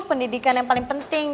pendidikan yang paling penting